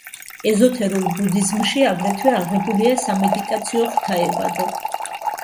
ეზოთერულ ბუდიზმში აგრეთვე აღებულია სამედიტაციო ღვთაებად.